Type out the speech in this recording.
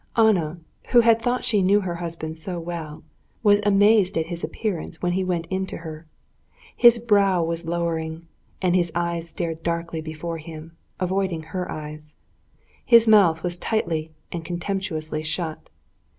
Anna, who had thought she knew her husband so well, was amazed at his appearance when he went in to her. His brow was lowering, and his eyes stared darkly before him, avoiding her eyes; his mouth was tightly and contemptuously shut.